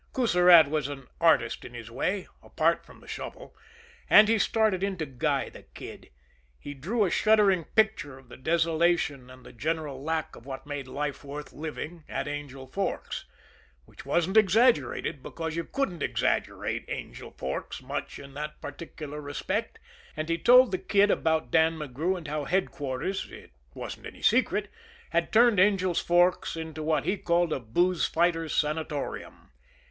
Coussirat was an artist in his way apart from the shovel and he started in to guy the Kid. He drew a shuddering picture of the desolation and the general lack of what made life worth living at Angel Forks, which wasn't exaggerated because you couldn't exaggerate Angel Forks much in that particular respect; and he told the Kid about Dan McGrew and how headquarters it wasn't any secret had turned Angel Forks into what he called a booze fighter's sanatorium.